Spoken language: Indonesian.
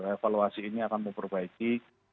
evaluasi ini akan memperbaiki